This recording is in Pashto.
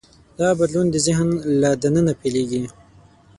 دا بدلون د ذهن له دننه پیلېږي.